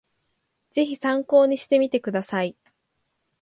ぜひ参考にしてみてください